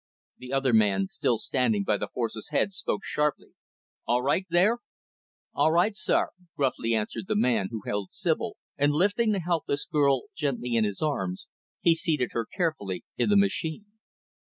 The other man, still standing by the horse's head, spoke sharply; "All right there?" "All right, sir," gruffly answered the man who held Sibyl, and lifting the helpless girl gently in his arms he seated her carefully in the machine.